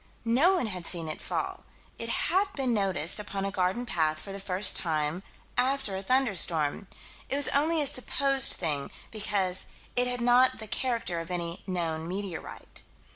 No one had seen it fall. It had been noticed, upon a garden path, for the first time, after a thunderstorm. It was only a "supposed" thing, because "It had not the character of any known meteorite."